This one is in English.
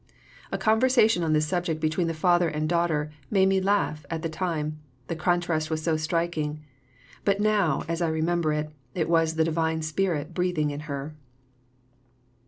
A conversation on this subject between the father and daughter made me laugh at the time, the contrast was so striking; but now, as I remember it, it was the Divine Spirit breathing in her."